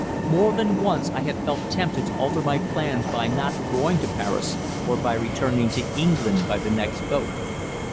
More than once I had felt tempted to alter my plans by not going to Paris, or by returning to England by the next boat.